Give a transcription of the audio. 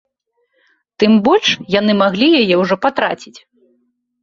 Тым больш, яны маглі яе ўжо патраціць.